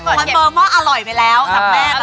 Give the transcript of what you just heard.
คืนน้ำแม่ที่เปล่า